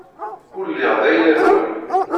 Ur lliɣ d ayla-nwen.